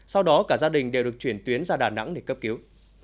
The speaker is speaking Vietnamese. sau đó cả gia đình đều được chuyển tuyến ra đà nẵng để cấp cứu